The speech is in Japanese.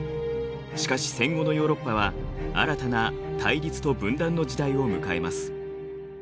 しかし戦後のヨーロッパは新たな対立と分断の時代を迎えます。